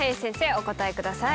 お答えください。